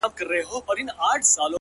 o چاته يادي سي كيسې په خـامـوشۍ كــي ـ